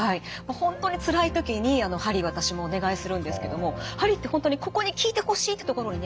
本当につらい時に鍼私もお願いするんですけども鍼って本当に「ここに効いてほしい！」って所にね